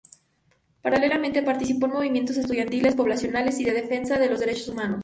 Paralelamente, participó en movimientos estudiantiles, poblacionales y de defensa de los Derechos Humanos.